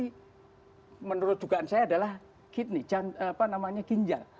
jadi itu menurut dugaan saya adalah kidney apa namanya ginjal